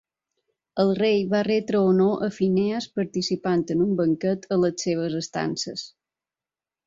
El rei va retre honor a Phineas participant en un banquet a les seves estances.